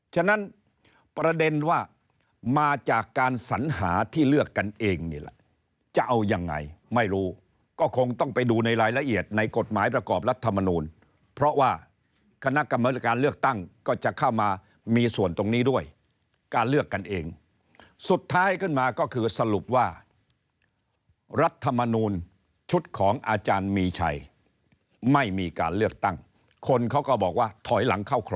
ฉะนั้นประเด็นว่ามาจากการสัญหาที่เลือกกันเองนี่แหละจะเอายังไงไม่รู้ก็คงต้องไปดูในรายละเอียดในกฎหมายประกอบรัฐมนูลเพราะว่าคณะกรรมการเลือกตั้งก็จะเข้ามามีส่วนตรงนี้ด้วยการเลือกกันเองสุดท้ายขึ้นมาก็คือสรุปว่ารัฐมนูลชุดของอาจารย์มีชัยไม่มีการเลือกตั้งคนเขาก็บอกว่าถอยหลังเข้าค